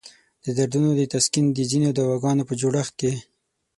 د دردونو د تسکین د ځینو دواګانو په جوړښت کې.